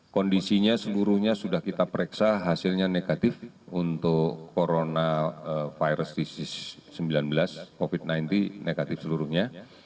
kondisinya seluruhnya sudah kita pereksa hasilnya negatif untuk coronavirus disease sembilan belas covid sembilan belas negatif seluruhnya